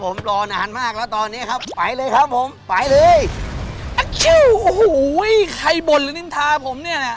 ผมรอนานมากแล้วตอนเนี้ยครับไปเลยครับผมไปเลยโอ้โหใครบ่นหรือนินทาผมเนี่ยน่ะ